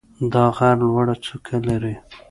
دا غر لوړه څوکه لري.